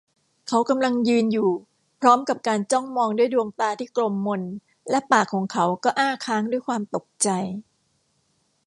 เขากำลังยืนอยู่พร้อมกับการจ้องมองด้วยดวงตาที่กลมมนและปากของเขาก็อ้าค้างด้วยความตกใจ